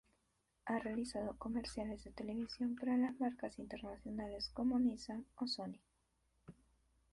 Ha realizado comerciales de televisión para marcas internacionales como Nissan o Sony.